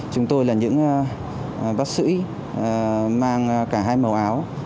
chúng tôi là những bác sĩ mang cả hai mẫu